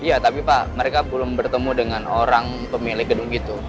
iya tapi pak mereka belum bertemu dengan orang pemilik gedung gitu